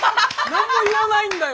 何も言わないんだよ。